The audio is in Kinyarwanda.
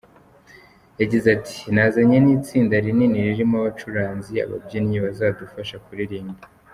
Yagize ati “Nazanye n’itsinda rinini ririmo abacuranzi, ababyinnyi bazadufasha kuririmba.